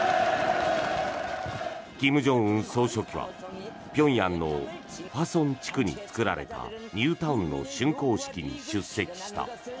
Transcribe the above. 金正恩総書記は平壌の和盛地区に造られたニュータウンのしゅん工式に出席した。